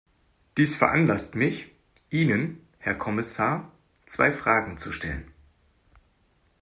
Dies veranlasst mich, Ihnen, Herr Kommissar, zwei Fragen zu stellen.